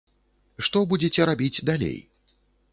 Што будзеце рабіць далей?